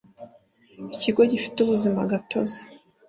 Ikigo gifite ubuzima gatozi